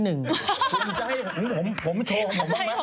จริงผมช่วง